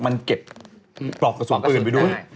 มันเก็บปลอกกระสุนปืนไปด้วย